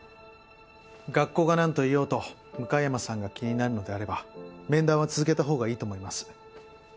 学校がなんと言おうと向山さんが気になるのであれば面談は続けたほうがいいと思います。